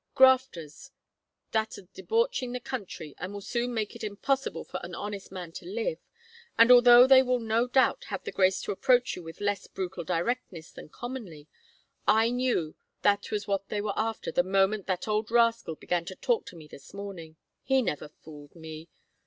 Grafters, that are debauching the country and will soon make it impossible for an honest man to live; and although they will no doubt have the grace to approach you with less brutal directness than commonly, I knew that was what they were after the moment that old rascal began to talk to me this morning. He never fooled me.